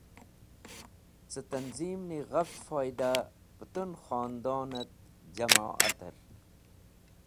Cẽ tanzim’ni ghafch foyda pũtũn khonadon et jamo’ater.